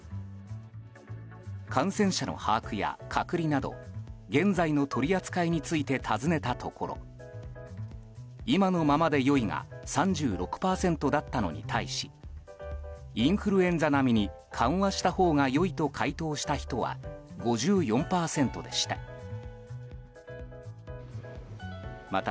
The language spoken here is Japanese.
感染者の把握や隔離など現在の取り扱いについて尋ねたところ今のままで良いが３６％だったのに対しインフルエンザ並みに緩和したほうが良いと回答した人は５４％でした。